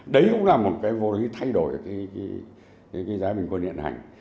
đấy cũng là một cái vô lý thay đổi cái giá bình quân hiện hành